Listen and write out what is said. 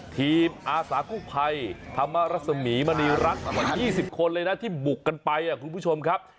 อาสากู้ภัยธรรมรสมีมณีรัฐกว่า๒๐คนเลยนะที่บุกกันไปคุณผู้ชมครับ